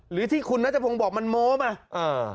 หรือที่คุณนักจับผมบอกมันโม้ไหม